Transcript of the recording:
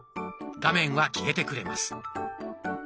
画面は消えてくれます。